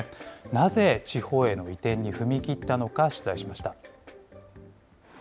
なぜ、地方への移転に踏み切ったのか、取材しました。